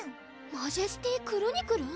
マジェスティクルニクルン？